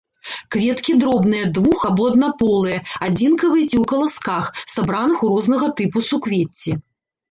Кветкі дробныя, двух- або аднаполыя, адзінкавыя ці ў каласках, сабраных у рознага тыпу суквецці.